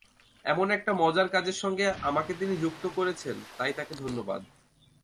এমন একটা মজার কাজের সঙ্গে আমাকে তিনি যুক্ত করেছেন, তাই তাঁকে ধন্যবাদ।